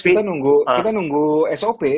kita nunggu sop